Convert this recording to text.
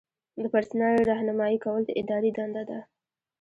د پرسونل رہنمایي کول د ادارې دنده ده.